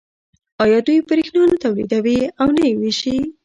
آیا دوی بریښنا نه تولیدوي او نه یې ویشي؟